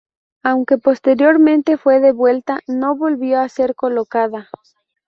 Aunque posteriormente fue devuelta, no volvió a ser colocada.